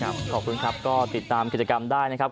ขอบคุณครับก็ติดตามกิจกรรมได้นะครับ